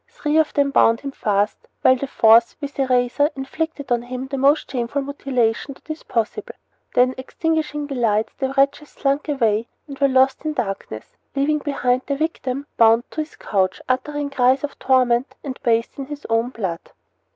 Three of them bound him fast, while the fourth, with a razor, inflicted on him the most shameful mutilation that is possible. Then, extinguishing the lights, the wretches slunk away and were lost in darkness, leaving behind their victim bound to his couch, uttering cries of torment and bathed in his own blood.